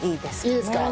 いいですか？